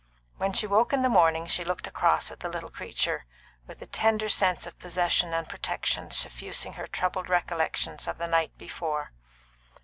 When she woke in the morning she looked across at the little creature, with a tender sense of possession and protection suffusing her troubled recollections of the night before.